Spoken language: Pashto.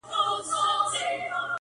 صحرا پراخه او وچه ده.